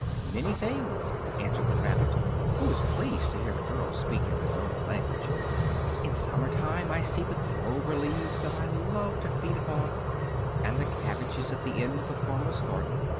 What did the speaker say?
"Many things," answered the rabbit, who was pleased to hear the girl speak in his own language; "in summer time I see the clover leaves that I love to feed upon and the cabbages at the end of the farmer's garden.